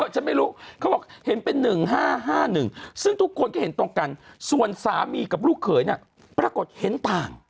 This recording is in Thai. ฉันไม่รู้เขาบอกเห็นเป็น๑๕๕๑ซึ่งทุกคนก็เห็นตรงกันส่วนสามีกับลูกเขยเนี่ยปรากฏเห็นต่าง